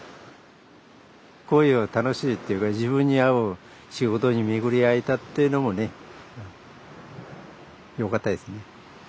こういう楽しいっていうか自分に合う仕事に巡り合えたっていうのもねよかったですね。